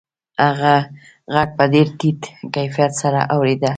هغه غږ په ډېر ټیټ کیفیت سره اورېده